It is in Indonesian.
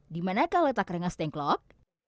di manakah letak rengas dengklok